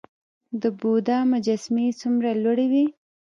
د بودا مجسمې څومره لوړې وې؟